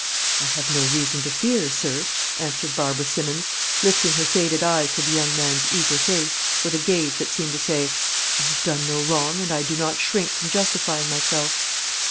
"I have no reason to fear, sir," answered Barbara Simmons, lifting her faded eyes to the young man's eager face, with a gaze that seemed to say, "I have done no wrong, and I do not shrink from justifying myself."